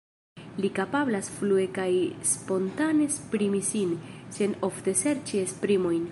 Li kapablas flue kaj spontane esprimi sin, sen ofte serĉi esprimojn.